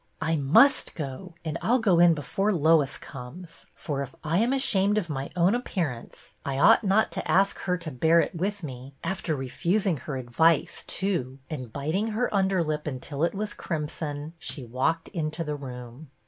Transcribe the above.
j " I must go, and I 'll go in before Lois \ comes, for if I am ashamed of my own ap I pearance, I ought not to ask her to bear it I HER FIRST RECEPTION 107 with me, after refusing her advice, too ;" and, biting her underlip until it was crimson, she walked into the room.